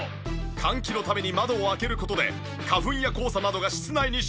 換気のために窓を開ける事で花粉や黄砂などが室内に侵入。